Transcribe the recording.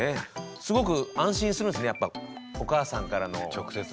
すごく安心するんすねやっぱお母さんからの言葉で。